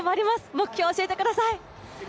目標を教えてください。